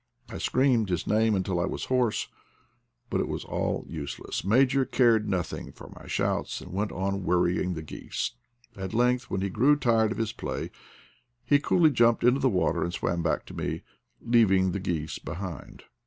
I screamed his name until I was hoarse, but it was all useless. Major cared nothing for my shouts, and went on worry ing the geese. At length, when he grew tired of his play, he coolly jumped into the water and swam back to me, leaving the geese behind.